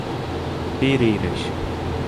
Pereiras